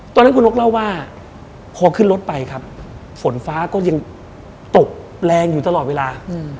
ตอนนั้นคุณนกเล่าว่าพอขึ้นรถไปครับฝนฟ้าก็ยังตกแรงอยู่ตลอดเวลา